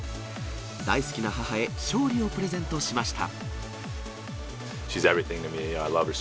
大好きな母へ勝利をプレゼントしました。